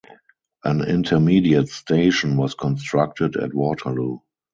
An intermediate station was constructed at Waterloo.